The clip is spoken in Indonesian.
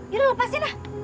yaudah lepasin lah